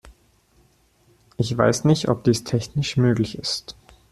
Ich weiß nicht, ob dies technisch möglich ist.